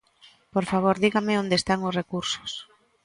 Por favor, dígame onde están os recursos.